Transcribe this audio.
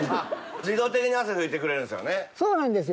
自動的に汗を拭いてくれるんそうなんですよ。